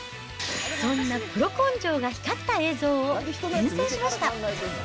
そんなプロ根性が光った映像を厳選しました。